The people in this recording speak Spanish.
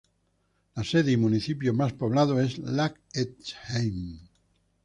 La sede y municipio más poblado es Lac-Etchemin.